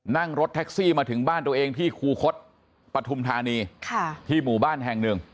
นั่งรถแท็กซี่มาถึงบ้านตัวเองที่คูคศปฐุมธานีที่หมู่บ้านแห่งหนึ่ง